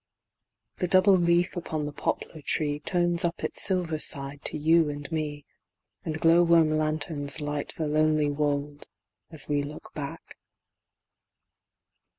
The double leaf upon the poplar tree Turns up its silver side to you and me, And glow worm lanterns light the lonely wold As we look back.